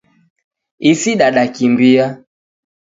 Isi dadakimbia.